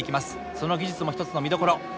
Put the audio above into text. その技術も一つの見どころ。